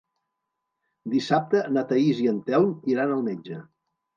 Dissabte na Thaís i en Telm iran al metge.